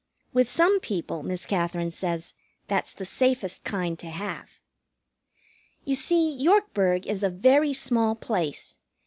With some people, Miss Katherine says, that's the safest kind to have. You see, Yorkburg is a very small place.